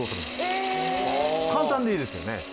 簡単でいいですよね。